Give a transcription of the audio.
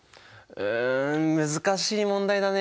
うん難しい問題だね。